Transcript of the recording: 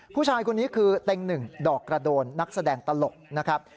ผู้ชายคนนี้คือเต็งหนึ่งดอกกระโดนนักแสดงตลกนะครับ